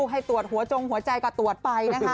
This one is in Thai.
ให้ตรวจหัวจงหัวใจก็ตรวจไปนะคะ